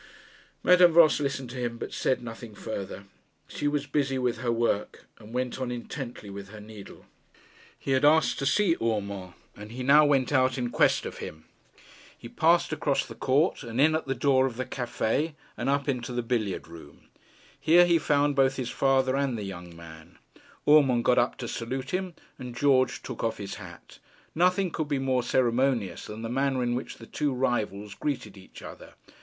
Madame Voss listened to him, but said nothing farther. She was busy with her work, and went on intently with her needle. He had asked to see Urmand, and he now went out in quest of him. He passed across the court, and in at the door of the cafe, and up into the billiard room. Here he found both his father and the young man. Urmand got up to salute him, and George took off his hat. Nothing could be more ceremonious than the manner in which the two rivals greeted each other.